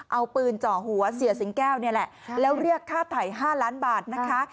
เอาปืนเจาะหัวเสียสิงแก้วนี่แหละแล้วเรียกค่าไถ่๕ล้านบาทนะคะ